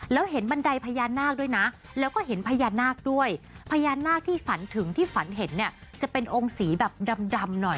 แล้วเห็นบันไดพญานาคด้วยนะแล้วก็เห็นพญานาคด้วยพญานาคที่ฝันถึงที่ฝันเห็นเนี่ยจะเป็นองค์สีแบบดำหน่อย